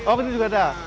oh ini juga ada